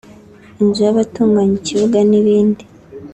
inzu y’abatunganya ikibuga n’ibindi